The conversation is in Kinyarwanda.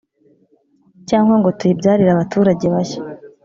cyangwa ngo tuyibyarire abaturage bashya.